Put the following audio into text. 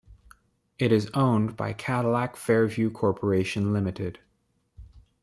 It is owned by Cadillac Fairview Corporation Limited.